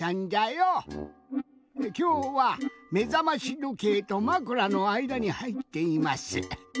きょうはめざましどけいとまくらのあいだにはいっています。